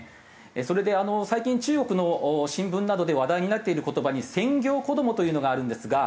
それで最近中国の新聞などで話題になっている言葉に「専業子ども」というのがあるんですが。